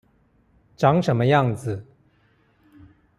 長什麼樣子